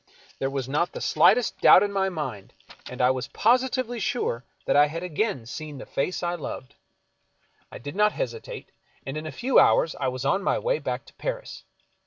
There was not the slightest doubt in 31 American Mystery Stories my mind, and I was positively sure that I had again seen the face I loved. I did not hesitate, and in a few hours I was on my way back to Paris.